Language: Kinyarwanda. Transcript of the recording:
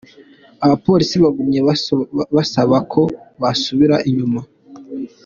Abaporisi bagumye babasaba ko bosubira inyuma.